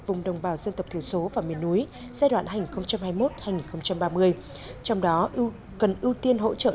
vùng đồng bào dân tộc thiểu số và miền núi giai đoạn hành hai mươi một hai nghìn ba mươi trong đó cần ưu tiên hỗ trợ